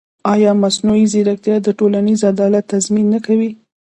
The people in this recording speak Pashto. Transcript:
ایا مصنوعي ځیرکتیا د ټولنیز عدالت تضمین نه کوي؟